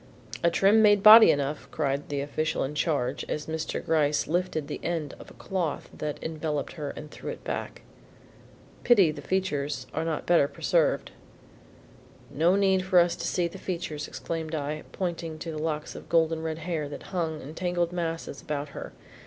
"A trim made body enough," cried the official in charge as Mr. Gryce lifted an end of the cloth that enveloped her and threw it back. "Pity the features are not better preserved." "No need for us to see the features," exclaimed I, pointing to the locks of golden red hair that hung in tangled masses about her.